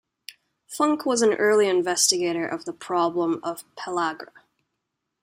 Funk was an early investigator of the problem of pellagra.